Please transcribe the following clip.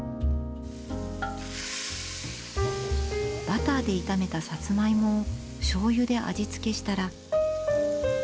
バターで炒めたサツマイモをしょうゆで味付けしたら。